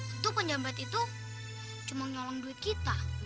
untuk penjahat itu cuma nyolong duit kita